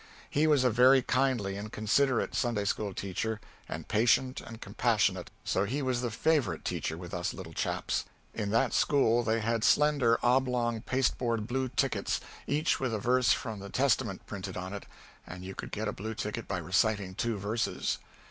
He was a very kindly and considerate Sunday school teacher, and patient and compassionate, so he was the favorite teacher with us little chaps. In that school they had slender oblong pasteboard blue tickets, each with a verse from the Testament printed on it, and you could get a blue ticket by reciting two verses.